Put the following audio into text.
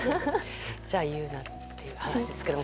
じゃあ言うなっていう話ですけれども。